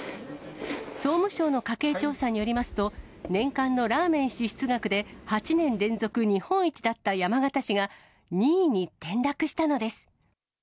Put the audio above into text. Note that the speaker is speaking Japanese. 総務省の家計調査によりますと、年間のラーメン支出額で８年連続日本一だった山形市が２位に転落したのです。